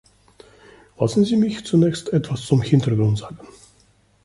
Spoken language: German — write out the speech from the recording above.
Lassen Sie mich zunächst etwas zum Hintergrund sagen.